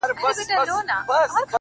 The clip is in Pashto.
• خير دی ؛ دى كه اوسيدونكى ستا د ښار دى؛